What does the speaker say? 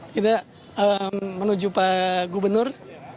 kita menuju pak gubernur